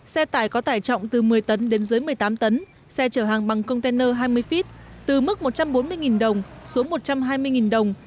xe tải có tải trọng từ một mươi tấn đến dưới một mươi tám tấn xe chở hàng bằng container hai mươi feet từ mức một trăm bốn mươi đồng xuống một trăm hai mươi đồng